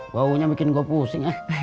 baunya bikin gue pusing